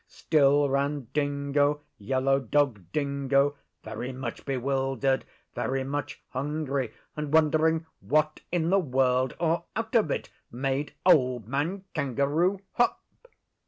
Still ran Dingo Yellow Dog Dingo very much bewildered, very much hungry, and wondering what in the world or out of it made Old Man Kangaroo hop.